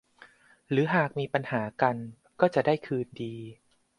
หรือหากมีปัญหากันก็จะได้คืนดี